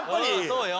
そうよ。